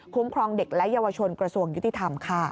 ครองเด็กและเยาวชนกระทรวงยุติธรรมค่ะ